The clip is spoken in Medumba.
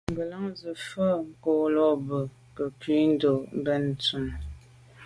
Ngelan ze mfùag ko là mbwôg nke ngù wut ben ndume.